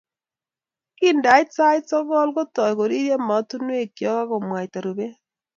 Kindait sait sokol, kotou koriryo motunwek chok akomwaita rubet